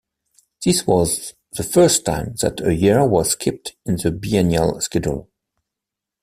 This was the first time that a year was skipped in the biennial schedule.